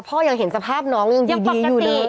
พ่อยังเห็นสภาพน้องยังดีอยู่เลย